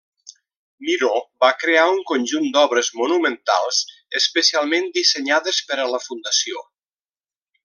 Miró va crear un conjunt d'obres monumentals especialment dissenyades per a la fundació.